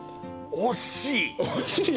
惜しい？